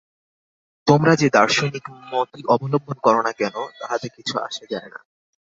তোমরা যে দার্শনিক মতই অবলম্বন কর না কেন, তাহাতে কিছু আসে যায় না।